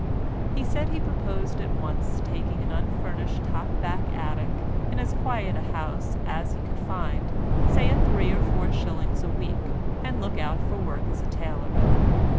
He said he proposed at once taking an unfurnished top back attic in as quiet a house as he could find, say at three or four shillings a week, and looking out for work as a tailor.